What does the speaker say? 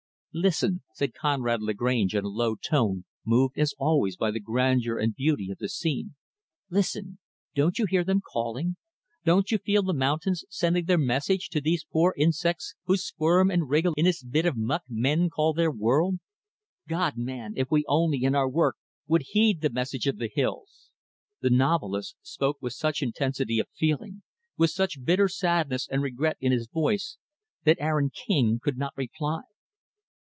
"Listen" said Conrad Lagrange, in a low tone, moved as always by the grandeur and beauty of the scene "listen! Don't you hear them calling? Don't you feel the mountains sending their message to these poor insects who squirm and wriggle in this bit of muck men call their world? God, man! if only we, in our work, would heed the message of the hills!" The novelist spoke with such intensity of feeling with such bitter sadness and regret in his voice that Aaron King could not reply.